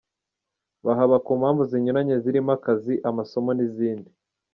Bahaba ku mpamvu zinyuranye zirimo akazi, amasomo n’izindi.